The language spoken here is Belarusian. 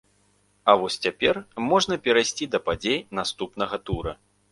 А вось цяпер можна перайсці да падзей наступнага тура!